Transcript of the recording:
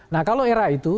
nah kalau era itu